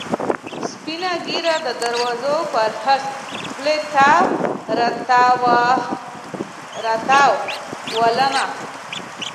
سپینه ږیره، د دروزو پر هسکه خولې تاو را تاو ولونه.